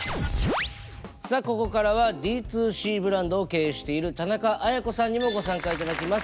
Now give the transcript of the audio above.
さあここからはＤ２Ｃブランドを経営している田中絢子さんにもご参加いただきます。